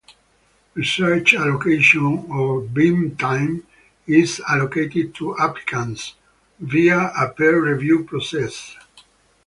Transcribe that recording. Research allocation, or 'beam-time', is allotted to applicants via a peer-review process.